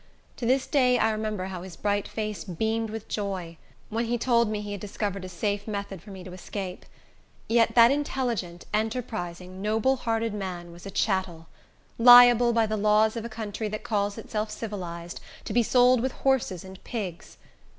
To this day I remember how his bright face beamed with joy, when he told me he had discovered a safe method for me to escape. Yet that intelligent, enterprising, noble hearted man was a chattel! Liable, by the laws of a country that calls itself civilized, to be sold with horses and pigs!